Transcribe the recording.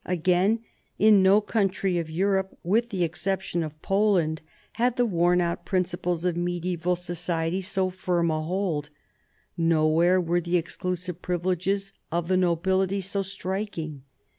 Again, in no country of Europe, with the exception of Poland, had the worn out principles of mediaeval society so firm a hold; nowhere were "the exclusive privileges of the nobility so striking.